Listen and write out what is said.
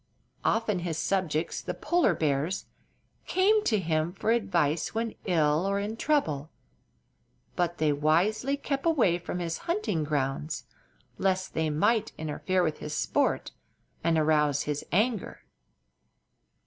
Often his subjects, the polar bears, came to him for advice when ill or in trouble; but they wisely kept away from his hunting grounds, lest they might interfere with his sport and arouse his anger.